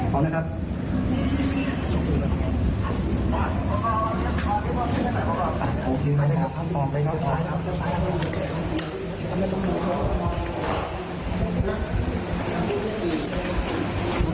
คุณพระเด็กไปอย่าวิ่งไม่ต้องมองผมไม่ต้องคุย